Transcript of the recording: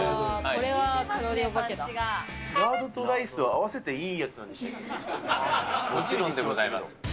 これはカロリラードとライスは合わせていもちろんでございます。